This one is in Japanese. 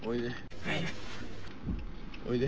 おいで。